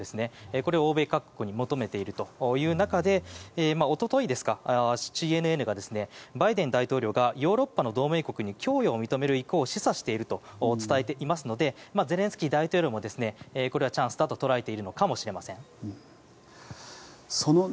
これを欧米各国に求めている中で一昨日、ＣＮＮがバイデン大統領がヨーロッパの同盟国に供与を認める意向を示唆していると伝えていますのでゼレンスキー大統領もこれはチャンスだと捉えているのかもしれません。